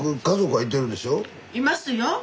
いますよ。